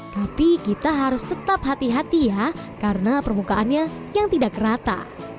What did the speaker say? tapi kita harus tetap hati hati ya karena permukaannya yang tidak rata